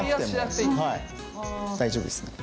はい大丈夫ですね。